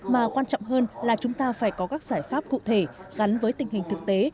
mà quan trọng hơn là chúng ta phải có các giải pháp cụ thể gắn với tình hình thực tế